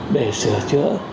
để sửa chữa